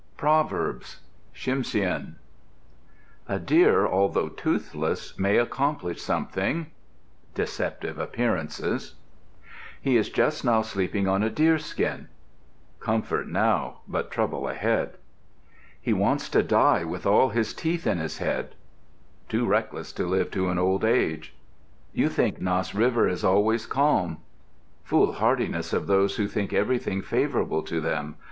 PROVERBS Tsimshian A deer, although toothless, may accomplish something. Deceptive appearances. He is just now sleeping on a deerskin. Comfort now but trouble ahead. He wants to die with all his teeth in his head. Too reckless to live to old age. You think Nass River is always calm. Foolhardiness of those who think everything favorable to them.